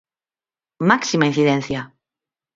Máxima incidencia.